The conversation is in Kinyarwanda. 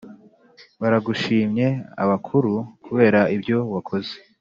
baragushimye abakuru kubera ibyo wakoze